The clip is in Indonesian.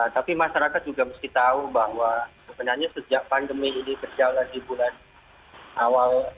tapi masyarakat juga mesti tahu bahwa sebenarnya sejak pandemi ini berjalan di bulan awal